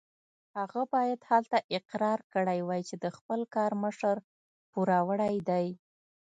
هغه باید هلته اقرار کړی وای چې د خپل کار مشر پوروړی دی.